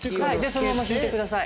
そのまま引いてください。